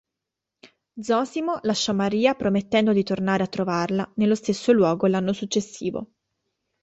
Zosimo lasciò Maria promettendo di tornare a trovarla nello stesso luogo l'anno successivo.